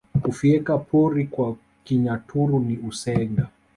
Kufyeka pori kwa Kinyaturu ni Usenga